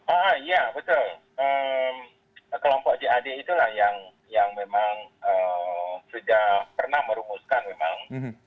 oh iya betul kelompok jad itulah yang memang sudah pernah merumuskan memang